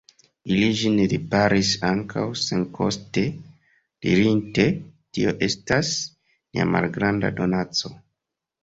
Ili ĝin riparis ankaŭ senkoste, dirinte: Tio estas nia malgranda donaco.